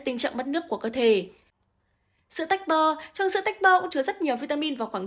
tình trạng mất nước của cơ thể sữa tách bơ trong sữa tách bơ cũng chứa rất nhiều vitamin và khoáng